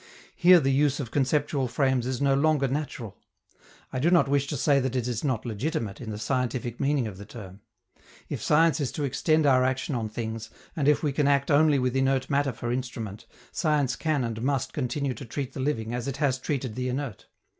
Here the use of conceptual frames is no longer natural. I do not wish to say that it is not legitimate, in the scientific meaning of the term. If science is to extend our action on things, and if we can act only with inert matter for instrument, science can and must continue to treat the living as it has treated the inert.